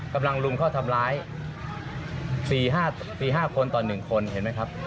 รุมเข้าทำร้าย๔๕คนต่อ๑คนเห็นไหมครับ